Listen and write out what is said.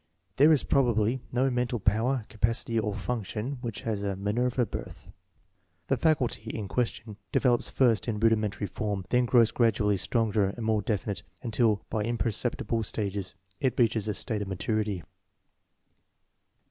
There is probably no mental power, capacity, or function which has a Minerva birth, The "faculty" in question develops first in rudimentary form, then grows gradually stronger and more definite until, by imperceptible stages, it reaches a state of maturity.